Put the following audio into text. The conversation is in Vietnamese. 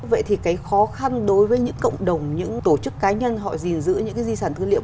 vậy thì cái khó khăn đối với những cộng đồng những tổ chức cá nhân họ gìn giữ những cái di sản tư liệu